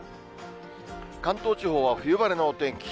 関東地方は冬晴れのお天気。